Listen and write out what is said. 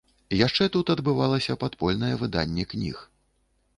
Яшчэ тут адбывалася падпольнае выданне кніг.